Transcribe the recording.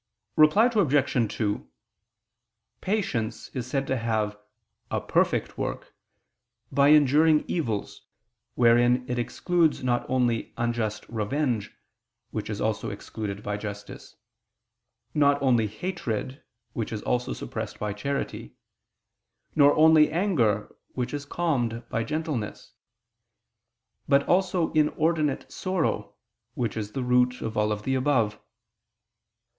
Reply Obj. 2: Patience is said to have "a perfect work," by enduring evils, wherein it excludes not only unjust revenge, which is also excluded by justice; not only hatred, which is also suppressed by charity; nor only anger, which is calmed by gentleness; but also inordinate sorrow, which is the root of all the above.